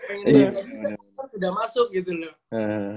pengen balik gak bisa kan sudah masuk gitu loh